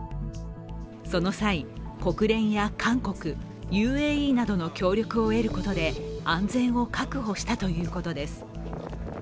その際、国連や韓国、ＵＡＥなどの協力を得ることで安全を確保したということです。